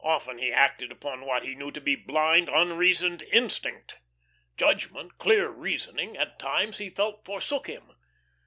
Often he acted upon what he knew to be blind, unreasoned instinct. Judgment, clear reasoning, at times, he felt, forsook him.